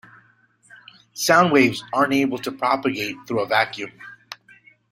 Sound waves aren't able to propagate through a vacuum.